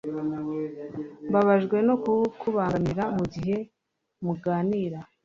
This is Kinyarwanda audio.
mbabajwe no kukubangamira mugihe muganira